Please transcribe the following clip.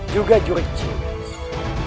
juga juri cibis